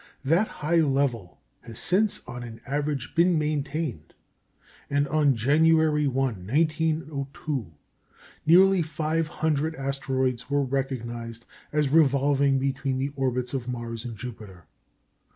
That high level has since, on an average, been maintained; and on January 1, 1902, nearly 500 asteroids were recognised as revolving between the orbits of Mars and Jupiter.